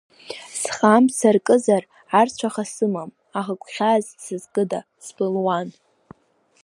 Схы амца аркызар арцәаха сымам, аха гәхьаас сызкыда, сбылуан.